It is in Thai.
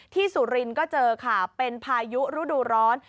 สุรินทร์ก็เจอค่ะเป็นพายุฤดูร้อน